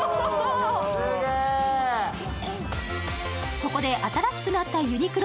そこで、新しくなったユニクロ